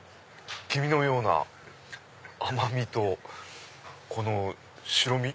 黄身のような甘味とこの白身。